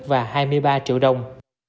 và hai mươi ba triệu đồng